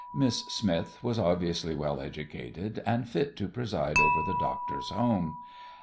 Miss Smith was obviously well educated, and fit to preside over the doctor's home.